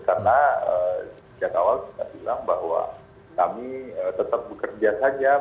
karena sejak awal kita bilang bahwa kami tetap bekerja saja